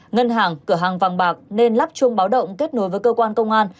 ngân hàng cửa hàng vàng bạc nên lắp chuông báo động kết nối với cơ quan công an